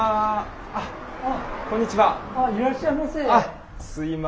あっいらっしゃいませ。